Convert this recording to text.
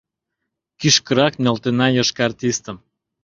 Кӱшкырак нӧлтена йошкар тистым